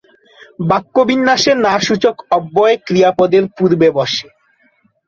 বাক্যবিন্যাসে না-সূচক অব্যয় ক্রিয়াপদের পূর্বে বসে।